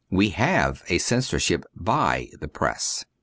We have a censor ship by the Press.